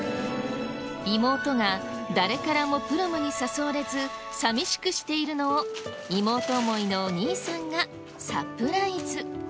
妹が誰からもプロムに誘われず寂しくしているのを妹思いのお兄さんがサプライズ。